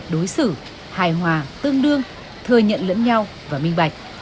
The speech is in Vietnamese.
đối xử hài hòa tương đương thừa nhận lẫn nhau và minh bạch